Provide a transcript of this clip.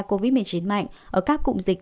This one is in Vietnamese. covid một mươi chín mạnh ở các cụm dịch